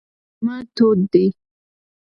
غرمه تود دی.